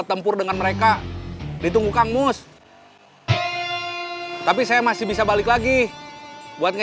jangan lupa kamu harus berhati hati